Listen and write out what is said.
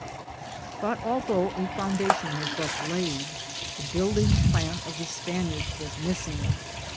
But although a foundation was thus laid, the building plan oS the Spaniards was missing.